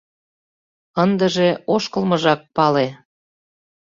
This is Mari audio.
Ындыже ошкылмыжак пале.